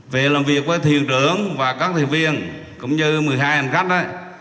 về làm việc với thuyền trưởng và các thuyền viên cũng như một mươi hai hành khách